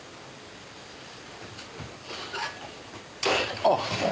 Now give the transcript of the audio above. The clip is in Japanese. あっ！